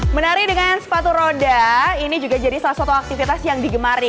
menari dengan sepatu roda ini juga jadi salah satu aktivitas yang digemari